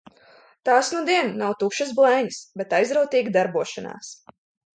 Tās nudien nav tukšas blēņas, bet aizrautīga darbošanās.